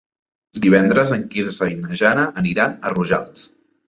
Divendres en Quirze i na Jana aniran a Rojals.